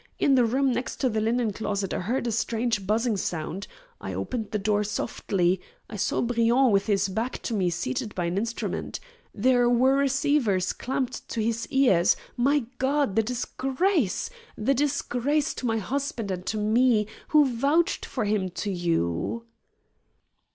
In the room next to the linen closet I heard a strange buzzing sound. I opened the door softly. I saw Briand with his back to me seated by an instrument. There were receivers clamped to his ears! My God! The disgrace. The disgrace to my husband and to me, who vouched for him to you!"